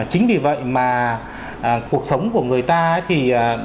chính vì vậy mà cuộc sống của người ta thì